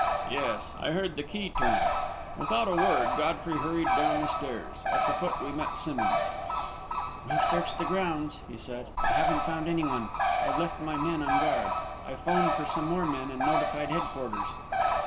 "Yes I heard the key turn." Without a word, Godfrey hurried down the stairs. At the foot we met Simmonds. "We've searched the grounds," he said, "but haven't found anyone. I've left my men on guard. I 'phoned for some more men, and notified headquarters."